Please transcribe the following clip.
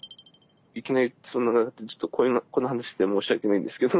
いきなりちょっとこんな話して申し訳ないんですけど。